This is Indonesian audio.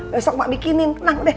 besok mak bikinin tenang